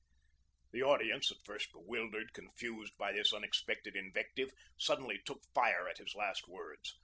The audience, at first bewildered, confused by this unexpected invective, suddenly took fire at his last words.